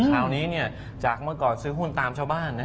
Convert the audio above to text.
คราวนี้จากเมื่อก่อนซื้อหุ้นตามชาวบ้าน